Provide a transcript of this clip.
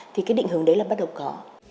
thì cái định hướng đấy là bắt đầu có